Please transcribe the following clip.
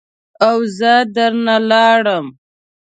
او زه در نه لاړم.